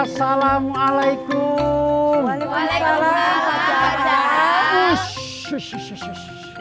assalamualaikum waalaikumsalam pak jahal